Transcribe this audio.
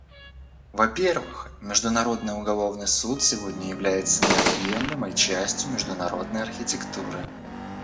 Во — первых, Международный уголовный суд сегодня является неотъемлемой частью международной архитектуры.